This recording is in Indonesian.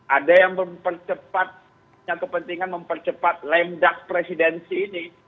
ada yang mempercepat yang kepentingan mempercepat lemdak presidensi ini